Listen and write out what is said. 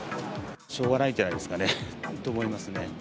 しょうがないんじゃないですかね、と思いますね。